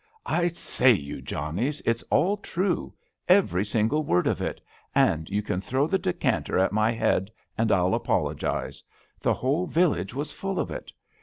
I say, you Johnnies, it's all true— every single word of it — and you can throw the decanter at my head and I'll apologise. The whole village was full of it.